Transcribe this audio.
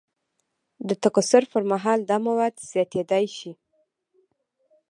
د تکثر پر مهال دا مواد زیاتیدای شي.